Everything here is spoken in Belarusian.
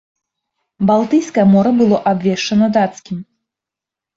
Балтыйскае мора было абвешчана дацкім.